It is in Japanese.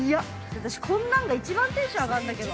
◆私こんなんが一番テンションが上がるんだけど。